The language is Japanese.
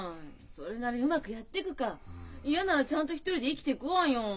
それなりにうまくやっていくか嫌ならちゃんと一人で生きていくわよ。